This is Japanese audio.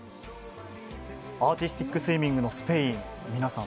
アーティスティックスイミングのスペイン皆さん